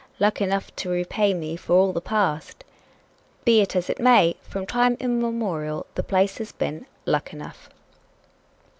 luck enough to repay me for all the past!" Be it as it may, from time immemorial the place has been "Luckenough."